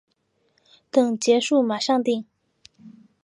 等结束马上订